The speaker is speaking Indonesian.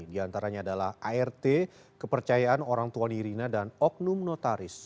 di antaranya adalah art kepercayaan orang tua nirina dan oknum notaris